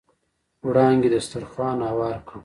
وړانګې دسترخوان هوار کړ.